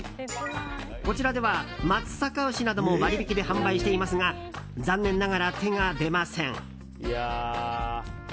こちらでは松阪牛なども割引で販売していますが残念ながら手が出ません。